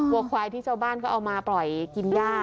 วัวควายที่ชาวบ้านก็เอามาปล่อยกินย่า